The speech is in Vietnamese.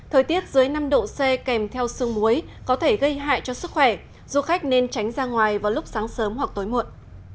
thời tiết dưới năm độ c kèm theo sương muối có thể gây hại cho sức khỏe du khách nên tránh ra ngoài vào lúc sáng sớm hoặc tối muộn